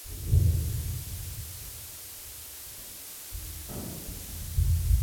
Compitió en la canoa biplaza al lado de su hermano gemelo Pierre.